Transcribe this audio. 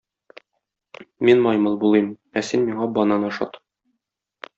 Мин маймыл булыйм, ә син миңа банан ашат.